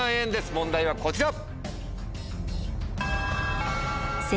問題はこちら！